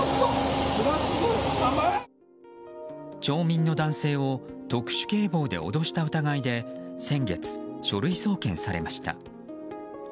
町民の男性を特殊警棒で脅した疑いで先月、書類送検されました。